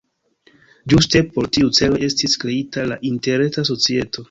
Ĝuste por tiuj celoj estis kreita la Interreta Societo.